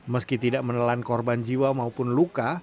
meski tidak menelan korban jiwa maupun luka